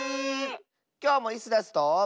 きょうもイスダスと。